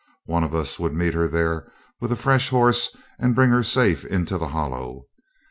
One of us would meet her there with a fresh horse and bring her safe into the Hollow.